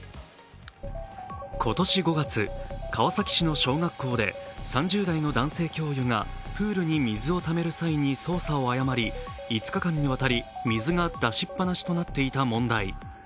今年５月、川崎市の小学校で３０代の男性教諭がプールに水をためる際に操作を誤り、５日間にわたり水が出しっ放しになっていた問題。